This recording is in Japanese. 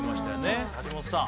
橋本さん